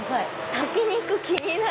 炊き肉気になる！